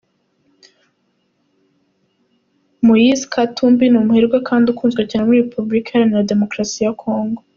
Moise Katumbi ni umuherwe kandi ukunzwe cyane muri Repubulika Iharanira Demokarasi ya Congo.